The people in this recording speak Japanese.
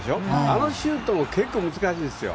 あのシュートも結構難しいですよ。